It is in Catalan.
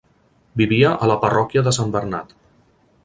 Vivia a la parròquia de Sant Bernat.